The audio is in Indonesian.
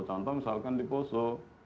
contoh misalkan di poso